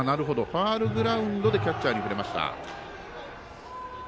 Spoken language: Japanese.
ファウルグラウンドでキャッチャーに触れました。